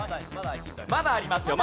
まだありますよ。